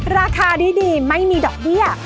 ราคาดีไม่มีดอกเบี้ย